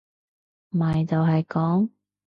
咪就係講